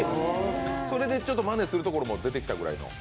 それでまねするところも出てきたぐらいの。